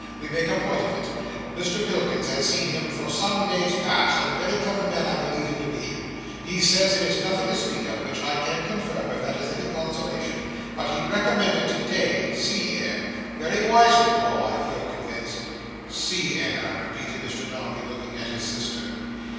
We make a point of it. Mr Pilkins has seen him for some days past, and a very clever man I believe him to be. He says it is nothing to speak of; which I can confirm, if that is any consolation; but he recommended, today, sea air. Very wisely, Paul, I feel convinced." "Sea air," repeated Mr Dombey, looking at his sister.